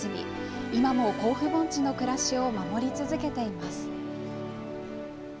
今も甲府盆地の暮らしを守り続けています。